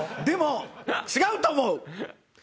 でも違うと思う！